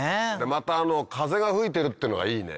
またあの風が吹いてるっていうのがいいね。